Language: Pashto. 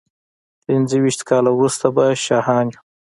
پينځه ويشت کاله وروسته به شاهدان يو.